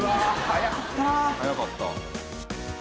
早かった。